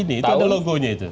itu ada logonya itu